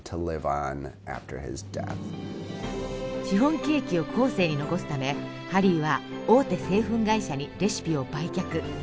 シフォンケーキを後世に残すためハリーは大手製粉会社にレシピを売却。